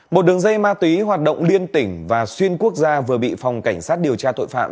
một đường dây ma túy hoạt động liên tỉnh và xuyên quốc gia vừa bị phòng cảnh sát điều tra tội phạm